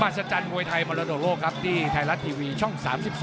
หัศจรรย์มวยไทยมรดกโลกครับที่ไทยรัฐทีวีช่อง๓๒